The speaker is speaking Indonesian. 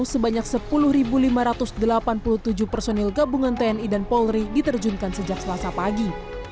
sebanyak sepuluh lima ratus delapan puluh tujuh personil gabungan tni dan polri diterjunkan sejak selasa pagi